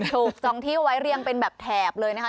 จองที่เอาไว้เรียงเป็นแบบแถบเลยนะคะ